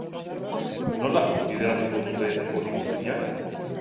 Nola bideratuko dute hori guztia?